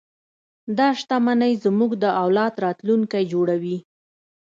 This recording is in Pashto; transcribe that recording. دا شتمنۍ زموږ د اولاد راتلونکی جوړوي.